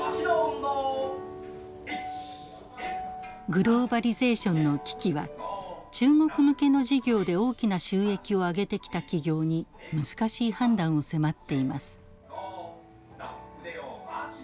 グローバリゼーションの危機は中国向けの事業で大きな収益をあげてきた企業に難しい判断を迫っています。